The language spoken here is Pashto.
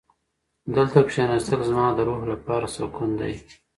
دلته کښېناستل زما د روح لپاره سکون دی.